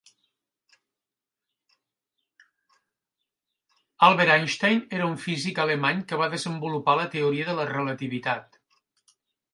Albert Einstein era un físic alemany que va desenvolupar la Teoria de la Relativitat.